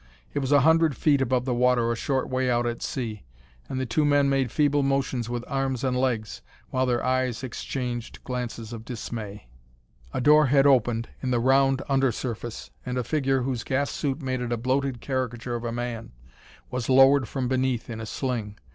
It was a hundred feet above the water a short way out at sea, and the two men made feeble motions with arms and legs, while their eyes exchanged glances of dismay. A door had opened in the round under surface, and a figure, whose gas suit made it a bloated caricature of a man, was lowered from beneath in a sling.